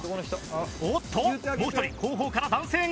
おっともう１人後方から男性が！